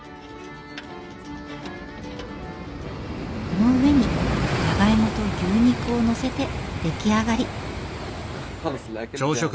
この上にじゃがいもと牛肉を載せて出来上がり。